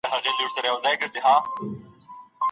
کله چې ميرمن له هبې رجوع وکړي نو څه ورته ثابت دي؟